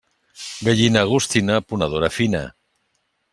Gallina agostina, ponedora fina.